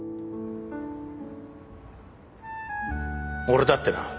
俺だってな